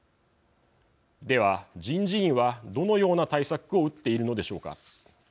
では、人事院はどのような対策を打っているのでしょうか。